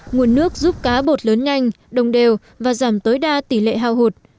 nguồn nước giúp cá bột lớn nhanh đồng đều và giảm tối đa tỷ lệ hao hụt